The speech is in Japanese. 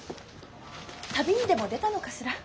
旅にでも出たのかしら？